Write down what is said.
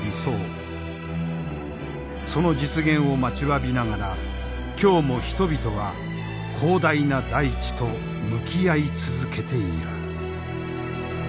その実現を待ちわびながら今日も人々は広大な大地と向き合い続けている。